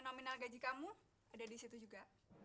nominal gaji kamu ada di situ juga